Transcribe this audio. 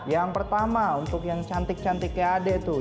yang pertama untuk yang cantik cantik kayak adek tuh